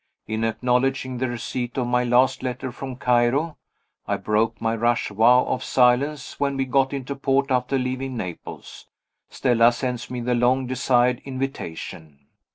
In acknowledging the receipt of my last letter from Cairo (I broke my rash vow of silence when we got into port, after leaving Naples) Stella sends me the long desired invitation.